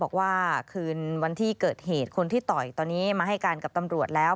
บอกว่าคืนวันที่เกิดเหตุคนที่ต่อยตอนนี้มาให้การกับตำรวจแล้ว